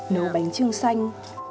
nấu bánh trưng xanh